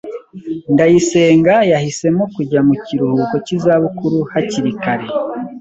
Ndayisenga yahisemo kujya mu kiruhuko cy'izabukuru hakiri kare.